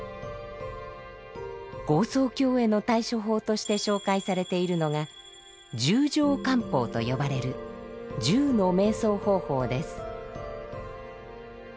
業相境への対処法として紹介されているのが「十乗観法」と呼ばれる十の瞑想方法です。